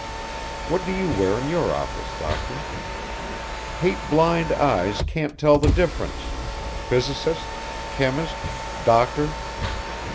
What do you wear in your office, doctor? Hate blind eyes can't tell the difference: Physicist, chemist, doctor....